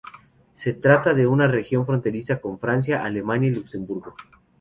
Se trata de una región fronteriza con Francia, Alemania y Luxemburgo.